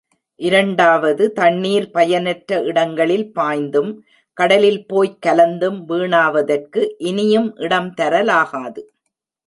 இரண்டாவது தண்ணீர் பயனற்ற இடங்களில் பாய்ந்தும் கடலில் போய்க் கலந்தும் வீணாவதற்கு இனியும் இடம் தர லாகாது.